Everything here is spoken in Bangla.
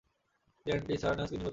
তিনি অ্যান্টিনোয়াসকে নির্বাচন করেন।